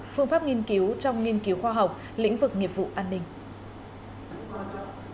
phương pháp nghiên cứu trong nghiên cứu khoa học lĩnh vực nghiệp vụ an ninh